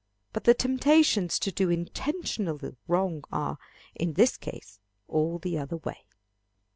But the temptations to do intentional wrong are, in this case, all the other way.